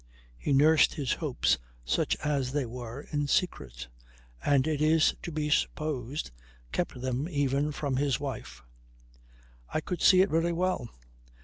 He nursed his hopes, such as they were, in secret, and it is to be supposed kept them even from his wife. I could see it very well.